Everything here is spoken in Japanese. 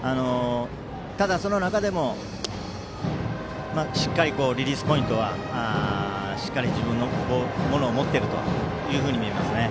ただ、その中でもリリースポイントはしっかり自分のものを持っていると見えますね。